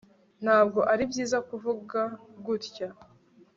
Ntabwo ari byiza kuvuga gutya